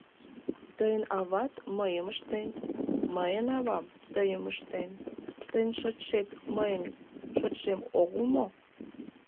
— Тыйын ават мыйым ыштен, мыйын авам тыйым ыштен — тыйын шочшет мыйын шочшем огыл мо?